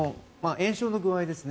炎症の具合ですね。